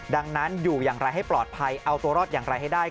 ดังนั้นอยู่อย่างไรให้ปลอดภัยเอาตัวรอดอย่างไรให้ได้